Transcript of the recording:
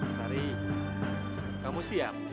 sari kamu siap